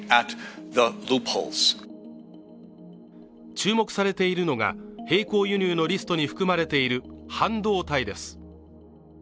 注目されているのが並行輸入のリストに含まれている半導体です。